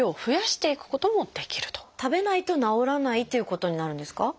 食べないと治らないということになるんですか？